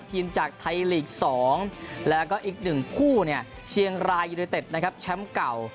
ทีมจากไทยลีกสองแล้วก็อีกหนึ่งคู่เชียงรายุโดยเต็ดแชมป์เก่า